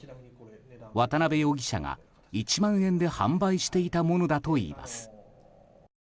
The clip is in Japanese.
渡邊容疑者が１万円で販売していたものだといいます。